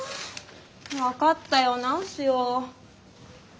分かったよ直すよ。